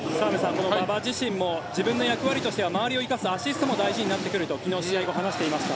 この馬場自身も自分の役割としては周りを生かすアシストも大事になってくると昨日試合後、話していました。